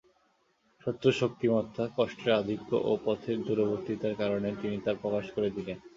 শত্রুর শক্তিমত্তা, কষ্টের আধিক্য ও পথের দূরবর্তীতার কারণে তিনি তা প্রকাশ করে দিলেন।